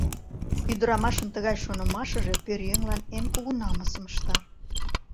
Ӱдырамашын тыгай шонымашыже пӧръеҥлан эн кугу намысым ышта...